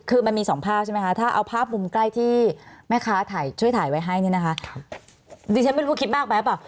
คือมันมีสองภาพใช่มั้ยคะถ้าเอาภาพมุมใกล้ที่แม่ค้าช่วยถ่ายไว้ให้เนี่ยนะคะ